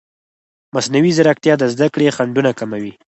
مصنوعي ځیرکتیا د زده کړې خنډونه کموي.